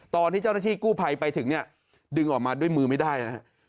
ตอนที่เจ้าหน้าที่กู้ภัยไปถึงเนี่ยดึงออกมาด้วยมือไม่ได้นะครับ